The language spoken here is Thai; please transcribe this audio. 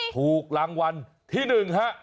ถูกรางวัลที่หนึ่งคะ